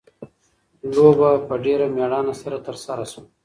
لوبه په ډېره مېړانه سره ترسره شوه.